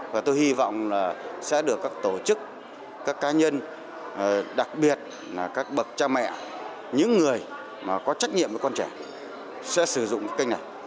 và tôi hy vọng là sẽ được các tổ chức các cá nhân đặc biệt là các bậc cha mẹ những người mà có trách nhiệm với con trẻ sẽ sử dụng kênh này